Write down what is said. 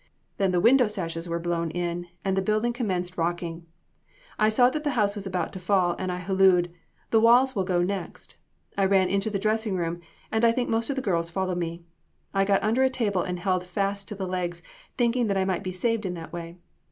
Then the window sashes were blown in, and the building commenced rocking. I saw that the house was about to fall, and I hallooed: 'The walls will go next.' I ran to the dressing room, and I think most of the girls followed me. I got under a table and held fast to the legs, thinking that I might be saved in that way.